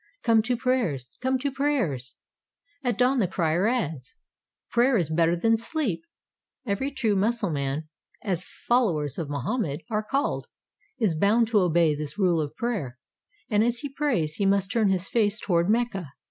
Come to prayers. Come to prayers." At dawn the crier adds, "Prayer is better than sleep." Every true Mussulman, as followers of Mohammed are called, is bound to obey this rule of prayer, and as he prays, he must turn his face toward Mecca.